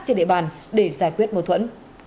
trên địa bàn để giải quyết mâu thuẫn